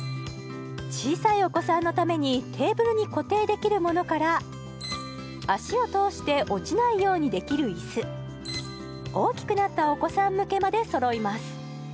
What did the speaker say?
小さいお子さんのためにテーブルに固定できるものから足を通して落ちないようにできるイス大きくなったお子さん向けまでそろいます